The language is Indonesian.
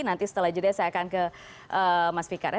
nanti setelah jeda saya akan ke mas fikarnya